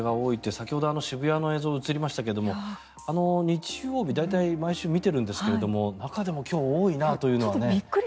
先ほど渋谷の映像が映りましたが日曜日大体毎週見ているんですが中でも今日多いなというのがね。